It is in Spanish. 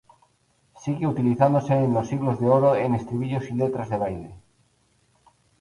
Sigue utilizándose en los siglos de Oro en estribillos y letras de baile.